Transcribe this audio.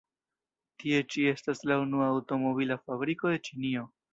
Tie ĉi estas la unua aŭtomobila fabriko de Ĉinio.